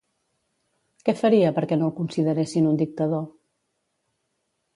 Què faria perquè no el consideressin un dictador?